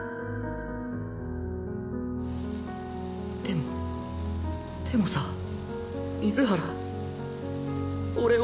でもでもさ水原